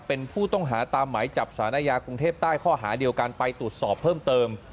เป็นผู้ต้องหาตามหมายจับสารอาญากรุงเทพใต้ข้อหาเดียวกันไปตรวจสอบเพิ่มเติม